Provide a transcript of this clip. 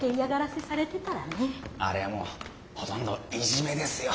あれはもうほとんどイジメですよ。